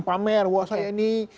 pamer wah saya ini